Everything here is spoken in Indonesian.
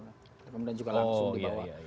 kemudian juga langsung dibawa